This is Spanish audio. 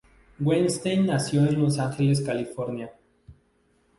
Weinstein nació en Los Ángeles, California.